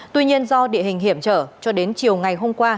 tuy nhiên do địa hình hiểm trở cho đến chiều ngày hôm qua